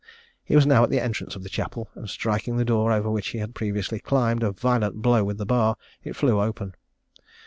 He was now at the entrance of the chapel, and striking the door over which he had previously climbed a violent blow with the bar, it flew open.